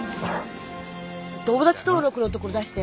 友達登録のところ出して。